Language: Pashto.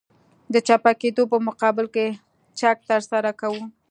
د چپه کېدو په مقابل کې چک ترسره کوو